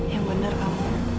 yang bener kamu